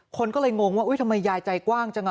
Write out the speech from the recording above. คนก็เลยงงว่าทำไมยายใจกว้างจัง